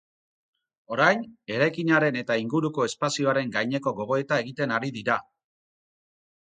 Orain, eraikinaren eta inguruko espazioaren gaineko gogoeta egiten ari dira.